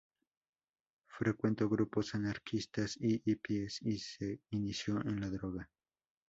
Frecuentó grupos anarquistas y hippies, y se inició en la droga.